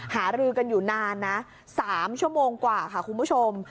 หารือกันอยู่นานนะ๓ชั่วโมงกว่าค่ะคุณผู้ชม